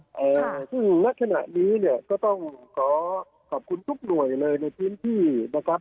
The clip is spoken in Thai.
อ่าซึ่งณขณะนี้เนี่ยก็ต้องขอขอบคุณทุกหน่วยเลยในพื้นที่นะครับ